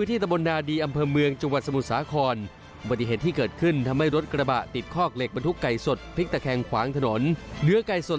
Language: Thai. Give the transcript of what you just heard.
ติดตามเหตุการณ์ที่เกิดขึ้นนี้จากรายงานเลยค่ะ